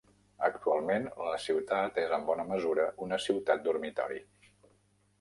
Actualment, la ciutat és en bona mesura una ciutat dormitori.